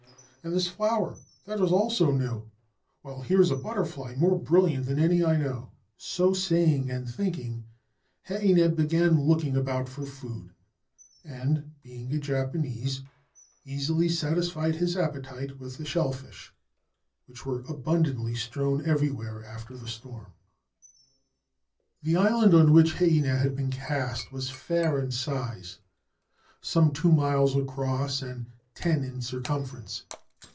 ' And this flower — that also is new — while here is a butterfly more brilliant than any I know/ So saying and thinking, Heinei began looking about for food, and, being a Japanese, easily satisfied his appetite with the shellfish which were abundantly strewn everywhere after the storm. The island on which Heinei had been cast was fair in size — some two miles across and ten in circumference.